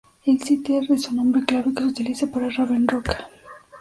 El "Site R" es un nombre clave que se utiliza para Raven Rock.